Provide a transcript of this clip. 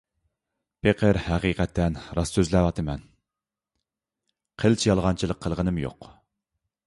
پېقىر ھەقىقەتەن راست سۆزلەۋاتىمەن، قىلچە يالغانچىلىق قىلغىنىم يوق.